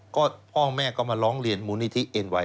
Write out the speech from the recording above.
ก็พ่อแม่กลืมมาร้องเรียนมูลนิธิตอเลีย